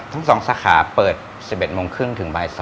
ทั้ง๒สาขาเปิด๑๑โมงครึ่งถึงบ่าย๒